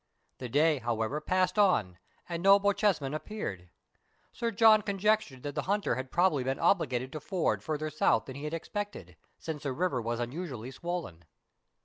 The day, however, passed on, and no Bochjesman appeared. Sir John conjectured that the hunter had probably been obliged to ford farther south than he had expected, since the river was unusually swollen.